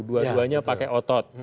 dua duanya pakai otot